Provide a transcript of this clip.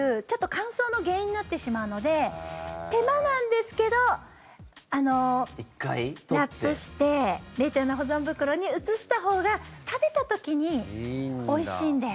乾燥の原因になってしまうので手間なんですけどラップして冷凍用の保存袋に移したほうが食べた時においしいんです。